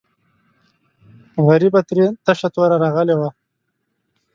غریبه ترې تشه توره راغلې وه.